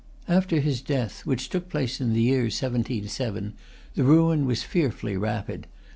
After his death, which took place in the year 1707, the ruin was fearfully rapid.